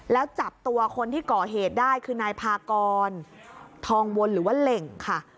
แล้วจับตัวคนที่ก่อเหตุได้คือนายพากรทองวนหรือว่าเหล่งค่ะ